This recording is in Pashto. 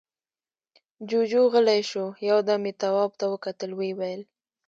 جُوجُو غلی شو، يو دم يې تواب ته وکتل، ويې ويل: